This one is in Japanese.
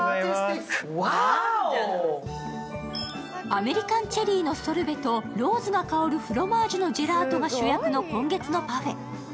アメリカンチェリーのソルベとローズが香るフロマージュのジェラートが主役の今月のパフェ。